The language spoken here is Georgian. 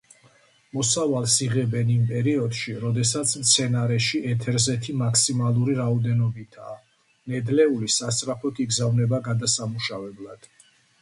მოსავალს იღებენ იმ პერიოდში, როდესაც მცენარეში ეთერზეთი მაქსიმალური რაოდენობითაა, ნედლეული სასწრაფოდ იგზავნება გადასამუშავებლად.